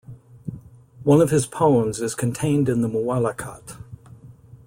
One of his poems is contained in the Mu'allaqat.